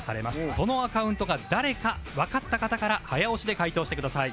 そのアカウントが誰かわかった方から早押しで解答してください